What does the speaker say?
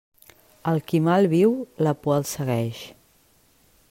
Al qui mal viu, la por el segueix.